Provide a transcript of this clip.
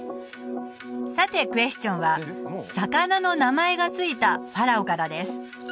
さてクエスチョンは魚の名前が付いたファラオからです